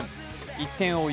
１点を追う